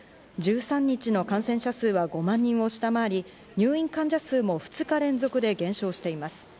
１３日の感染者数は５万人を下回り、入院患者数も２日連続で減少しています。